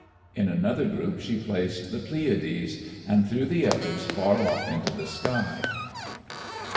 In another group she placed the Pleiades, and threw the others far off into the sky.